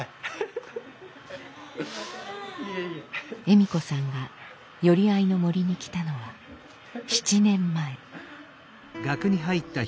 笑子さんがよりあいの森に来たのは７年前。